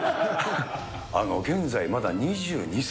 現在、まだ２２歳。